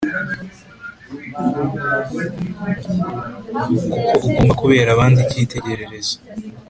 kuko ugomba kubera abandi ikitegererezo